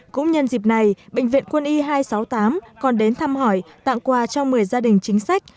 cũng nhân dịp này bệnh viện quân y hai trăm sáu mươi tám còn đến thăm hỏi tặng quà cho một mươi gia đình chính sách